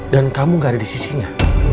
dan kamu nggak ada di sisinya